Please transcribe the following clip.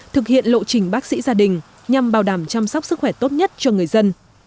thực hiện lộ trình bác sĩ gia đình nhằm bảo đảm chăm sóc sức khỏe tốt nhất cho người dân